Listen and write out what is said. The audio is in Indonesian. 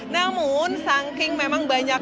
namun saking memang banyak